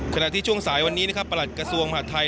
ขณะที่ช่วงสายวันนี้นะครับประหลัดกระทรวงมหาดไทย